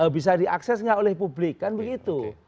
bisa diakses nggak oleh publik kan begitu